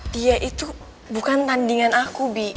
dia itu bukan tandingan aku bi